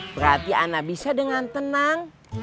perhati anak bisa dengan tenang